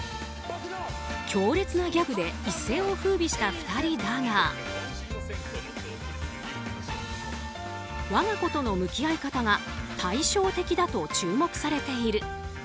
強烈なギャグで一世を風靡した２人だが我が子との向き合い方が対照的だと注目されている。